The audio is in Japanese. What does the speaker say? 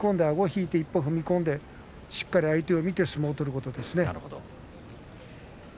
あごを引いて一歩踏み込んでしっかり相手を見て相撲を取ることです。